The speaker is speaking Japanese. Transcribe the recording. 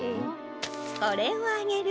これをあげる。